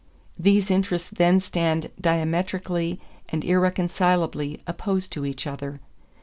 These interests then stand diametrically and irreconcilably opposed to each other.